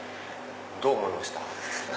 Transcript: どう思いました？